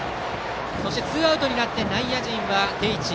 ツーアウトになって内野陣は定位置。